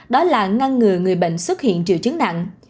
đó là ngăn ngừa người bệnh xuất hiện triệu chứng nặng